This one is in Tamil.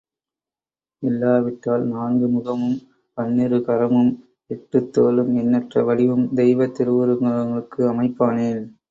இல்லாவிட்டால் நான்கு முகமும், பன்னிருகரமும், எட்டுத் தோளும், எண்ணற்ற வடிவும் தெய்வத் திருவுருவங்களுக்கு அமைப்பானேன்.